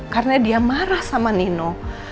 karena dia marah sama nino